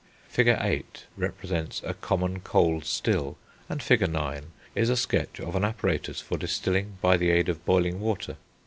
Fig. VIII. p. 82, represents a common cold still, and Fig. IX. p. 84, is a sketch of an apparatus for distilling by the aid of boiling water.